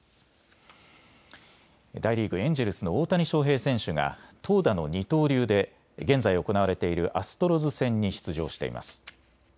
大リーグ、エンジェルスの大谷翔平選手が投打の二刀流で現在行われているアストロズ戦に出場しています。